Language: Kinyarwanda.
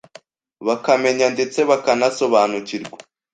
bakamenya ndetse bakanasobanukirwa